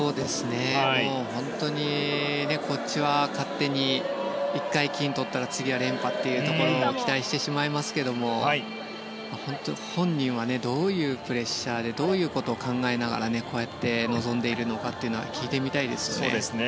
本当に、こっちは勝手に１回金をとったら次は連覇というところを期待してしまいますが本人はどういうプレッシャーでどういうことを考えながらこうやって臨んでいるのかというのは聞いてみたいですね。